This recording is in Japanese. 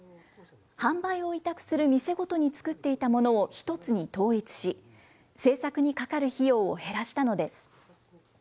販売を委託する店ごとに作っていたものを１つに統一し、製作にかかる費用を減らしたのです。